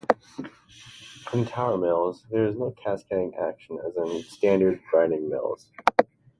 In tower mills, there is no cascading action as in standard grinding mills.